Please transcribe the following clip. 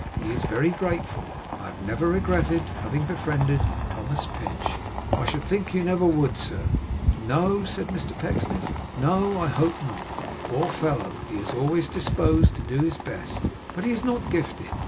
He is very grateful. I have never regretted having befriended Thomas Pinch.' 'I should think you never would, sir.' 'No,' said Mr Pecksniff. 'No. I hope not. Poor fellow, he is always disposed to do his best; but he is not gifted.